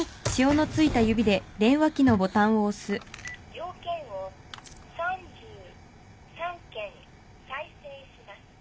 ☎用件を３３件再生します